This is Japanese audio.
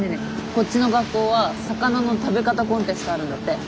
こっちの学校は魚の食べ方コンテストあるんだって。